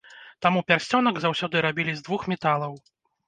Таму пярсцёнак заўсёды рабілі з двух металаў.